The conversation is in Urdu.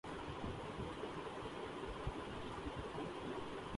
اس ٹیم نے ثابت کر دکھایا کہ اپنی پوری کرکٹ تاریخ میں ہمیشہ